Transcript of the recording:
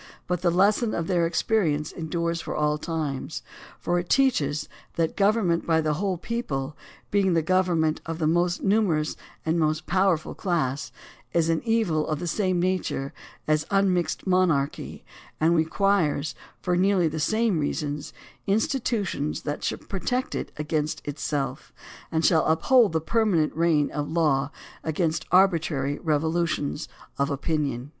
But the lesson of their experience endures for all times, for it teaches that government by the whole people, being the government of the most numerous and most powerful class, is an evil of the same nature as unmixed monarchy, and requires, for nearly the same reasons, institutions that shall protect it against it self, and shall uphold the permanent reign of law against arbi trary revolutions of opinion.